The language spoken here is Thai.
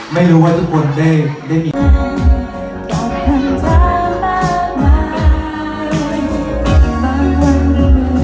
ไม่รู้ว่าทุกคนได้มีอะไร